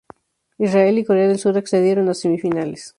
Israel y Corea del Sur accedieron a semifinales.